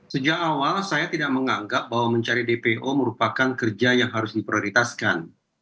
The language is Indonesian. sejak awal saya tidak menganggap bahwa mencari dpo merupakan kerja yang harus diprioritaskan